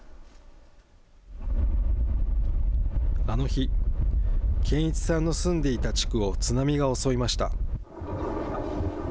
あの日、堅一さんの住んでいた地区を津波が襲いました。